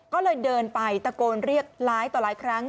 ก็เลยเดินไปตะโกนเรียกหลายต่อหลายครั้ง